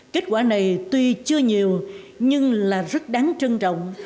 kết quả này tuy chưa nhiều nhưng là rất đáng trân trọng